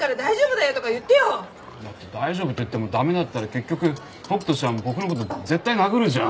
だって大丈夫って言ってもダメだったら結局北斗ちゃん僕の事絶対殴るじゃん！